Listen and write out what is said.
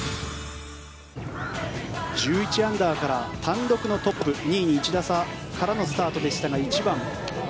１１アンダーから単独のトップ２位に１打差からのスタートでしたが１番。